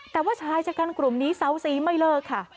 แต่ว่าชายชะกันกลุ่มนี้เซาซีไม่เลิกค่ะ